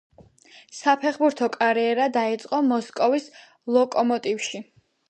საფეხბურთო კარიერა დაიწყო მოსკოვის „ლოკომოტივში“.